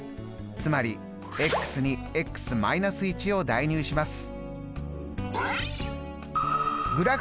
つまりに−１を代入します。